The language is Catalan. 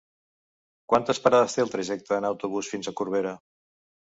Quantes parades té el trajecte en autobús fins a Corbera?